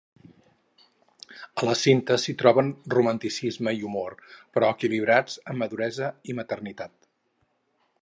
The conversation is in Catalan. A la cinta s'hi troben romanticisme i humor, però equilibrats amb maduresa i maternitat.